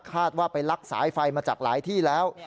คาดว่าไปลักสายไฟมาจากหลายที่แล้ว